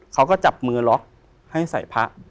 เขาก็จับมือล็อกให้ใส่พระ